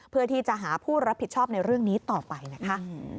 เพื่อที่จะหาผู้รับผิดชอบในเรื่องนี้ต่อไปนะคะ